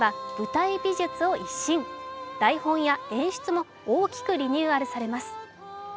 台本や演出も大きくリニューアルされます。